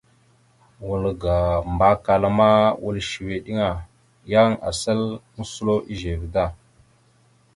Wal ga Mbakala ma, wal səwe eɗeŋa, yan asal moslo ezeve da.